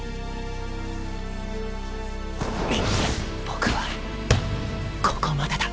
僕はここまでだ。